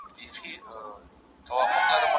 لوی سکندر د دې سیمې له لارې تېر شوی و.